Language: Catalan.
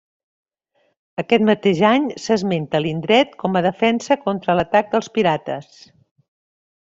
Aquest mateix any s'esmenta l'indret com a defensa contra l'atac dels pirates.